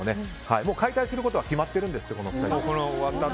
解体することは決まってるんですってこのスタジアム。